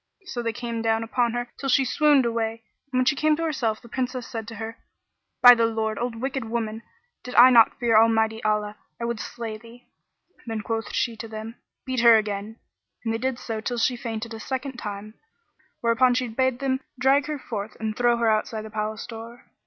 So they came down upon her till she swooned away; and, when she came to herself, the Princess said to her, "By the Lord! O wicked old woman, did I not fear Almighty Allah, I would slay thee." Then quoth she to them, "Beat her again" and they did so till she fainted a second time, whereupon she bade them drag her forth and throw her outside the palace door.